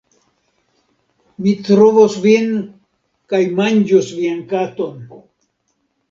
Mi trovos vin kaj manĝos vian katon!